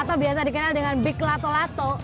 atau biasa dikenal dengan big lato lato